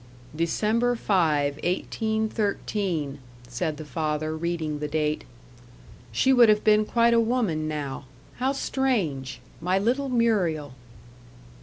"December 5, 1813," said the father, reading the date. "She would have been quite a woman now. How strange! My little Muriel!"